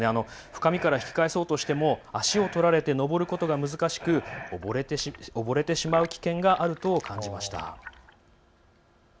深みから引き返そうとしても足を取られて上ることが難しく溺れてしまう危険があると感じました。